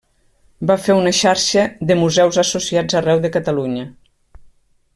Va fer una xarxa de museus associats arreu de Catalunya.